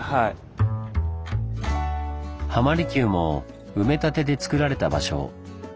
浜離宮も埋め立てでつくられた場所。